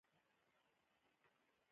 دریشي د ښوونځي شاګرد ته اهمیت ورکوي.